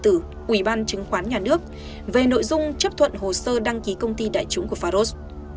chủ tịch ủy ban chứng khoán nhà nước về nội dung chấp thuận hồ sơ đăng ký công ty đại chúng của pharos